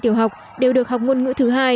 tiểu học đều được học ngôn ngữ thứ hai